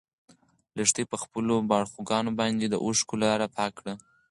لښتې په خپلو باړخوګانو باندې د اوښکو لاره پاکه کړه.